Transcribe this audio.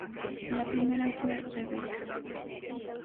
La primera fue "Rebecca".